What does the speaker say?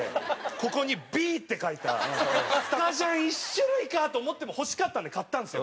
ここに「Ｂ」って書いたスタジャン１種類かと思っても欲しかったんで買ったんですよ。